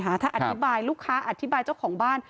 ถ้าอธิบายลูกค้าอธิบายเจ้าของบ้าน